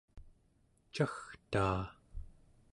cagtaa